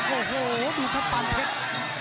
โอ้โหดูครับปานเพชร